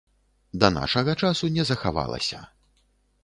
Да нашага часу не захавалася.